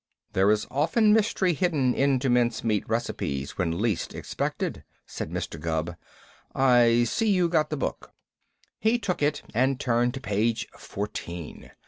"There is often mystery hidden into mince meat recipes when least expected," said Mr. Gubb. "I see you got the book." He took it and turned to page fourteen.